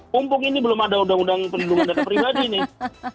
mumpung ini belum ada uu pendudukan data pribadi nih